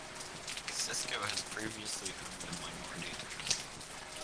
Cisco had previously owned a minority interest.